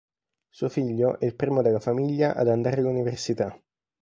Suo figlio è il primo della famiglia ad andare all'università.